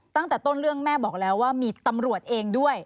ตั้งแต่ต้นเรื่องแม่บอกแล้วว่ามีตำรวจเองด้วย